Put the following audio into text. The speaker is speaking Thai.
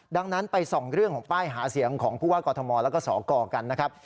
ดังนั้นไปส่องเรื่องของป้ายหาเสียงของผู้ว่ากอทมแล้วก็สกกันนะครับ